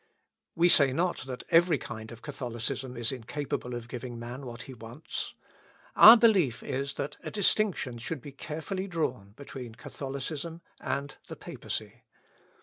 We say not that every kind of Catholicism is incapable of giving man what he wants. Our belief is, that a distinction should be carefully drawn between Catholicism and the Papacy.